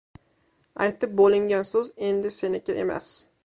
• Aytib bo‘lingan so‘z endi seniki emas.